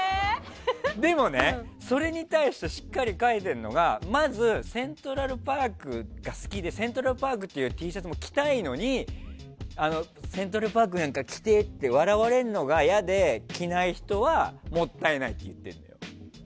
でもね、それに対してしっかり書いてるのがまずセントラルパークが好きでセントラルパークって書いてあるＴシャツも着たいのにセントラルパークなんか着てって笑われるのが嫌で着ない人はもったいないって言ってるの。